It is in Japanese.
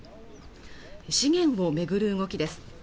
資源を巡る動きです